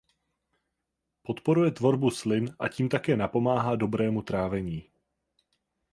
Podporuje tvorbu slin a tím také napomáhá dobrému trávení.